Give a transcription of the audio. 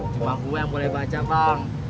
cuma gue boleh baca bang